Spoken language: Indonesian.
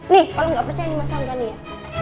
nih kalau gak percaya nih mas anggani ya